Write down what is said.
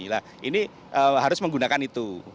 nah ini harus menggunakan itu